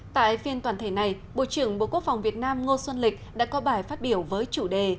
tại phiên toàn thể này bộ trưởng bộ quốc phòng việt nam ngô xuân lịch đã có bài phát biểu với chủ đề